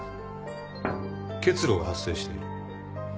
結露が発生している。